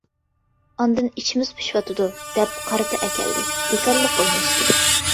ئاندىن ئىچىمىز پۇشۇۋاتىدۇ، دەپ قارتا ئەكەلدى، بىكارلىق ئويناشتى.